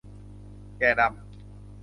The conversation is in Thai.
แกะดำ